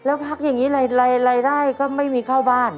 แล้วพักอย่างนี้รายได้ก็ไม่มีเข้าบ้าน